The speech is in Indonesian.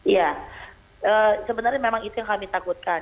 ya sebenarnya memang itu yang kami takutkan